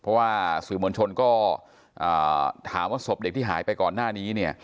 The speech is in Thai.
เพราะว่าสื่อมวลชนก็ถามว่าศพเด็กที่หายไปก่อนหน้านี้เนี่ย